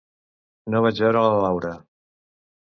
No vaig veure la Laura.